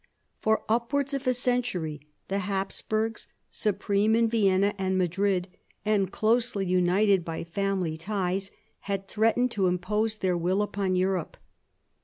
For upwards of a century the Haps burgs, supreme in Vienna and Madrid, and closely united by family ties, had threatened to impose their will upon Europe.